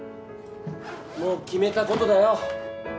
もう決めたことだよ